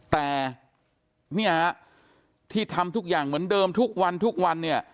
แต่เนี่ยฮะที่ทำทุกอย่างเหมือนเดิมทุกวันทุกวันเนี่ย